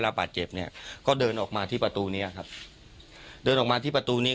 บาดเจ็บเนี้ยก็เดินออกมาที่ประตูเนี้ยครับเดินออกมาที่ประตูนี้